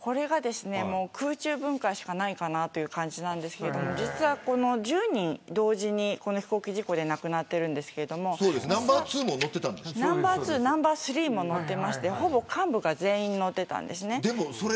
空中分解しかないかなという感じですが１０人同時に飛行機事故で亡くなっているんですけどナンバー２、ナンバー３も乗っていてほぼ、幹部が全員乗っていたんです。